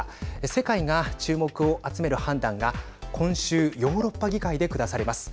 世界が注目を集める判断が今週ヨーロッパ議会で下されます。